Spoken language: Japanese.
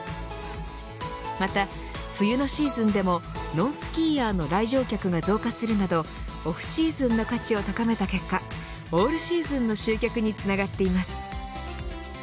また、冬のシーズンでもノンスキーヤーの来場客が増加するなどオフシーズンの価値を高めた結果オールシーズンの集客につながっています。